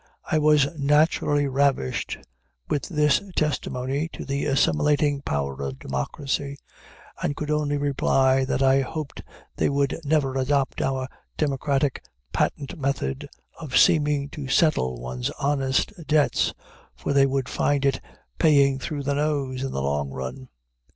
I was naturally ravished with this testimony to the assimilating power of democracy, and could only reply that I hoped they would never adopt our democratic patent method of seeming to settle one's honest debts, for they would find it paying through the nose in the long run.